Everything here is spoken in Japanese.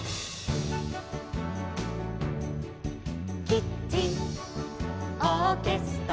「キッチンオーケストラ」